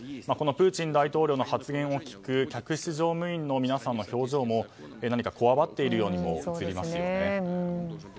このプーチン大統領の発言を聞く客室乗務員の皆さんの表情も何かこわばっているようにも映りますよね。